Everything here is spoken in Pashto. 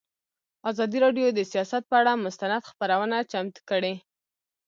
ازادي راډیو د سیاست پر اړه مستند خپرونه چمتو کړې.